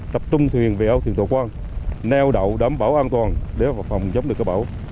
tập trung thuyền về âu thuyền thổ quang neo đậu đảm bảo an toàn để vào phòng chống được các bão